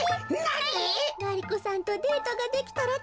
ガリ子さんとデートができたら。